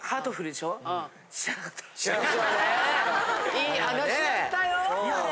いい話だったよあれ。